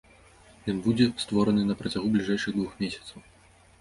Ён будзе створаны на працягу бліжэйшых двух месяцаў.